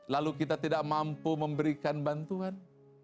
lalu kita tidak mampu memberikan bantuan